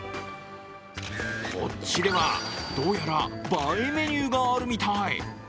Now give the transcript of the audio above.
こっちでは、どうやら映えメニューがあるみたい。